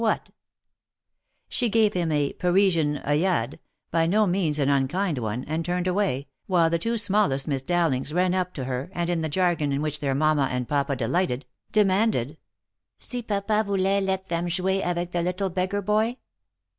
what ?" She gave him a Parisian osillade, by no means an unkind one, and turned away, while the two smallest Miss Dowlings ran up to her, and, in the jargon in which their mamma and papa delighted. OF MICHAEL ARMSTRONG. 57 demanded " si papa voulait let them jouer avec the little beggar boy?"